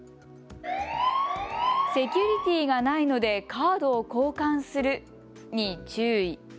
セキュリティーがないのでカードを交換するに注意。